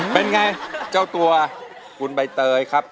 เป็นไงเจ้าตัวคุณใบเตยครับ